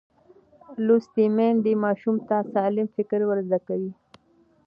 لوستې میندې ماشوم ته سالم فکر ورزده کوي.